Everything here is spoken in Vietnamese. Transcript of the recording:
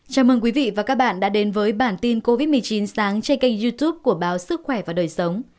chào mừng quý vị và các bạn đã đến với bản tin covid một mươi chín sáng trên kênh youtube của báo sức khỏe và đời sống